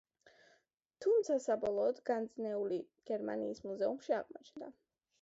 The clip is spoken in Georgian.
თუმცა, საბოლოოდ განძეული გერმანიის მუზეუმებში აღმოჩნდა.